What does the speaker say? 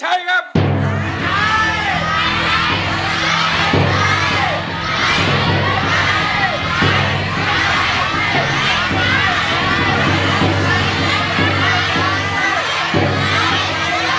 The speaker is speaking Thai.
แล้วมันต่อ